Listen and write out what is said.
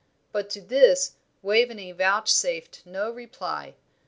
But to this Waveney vouchsafed no reply.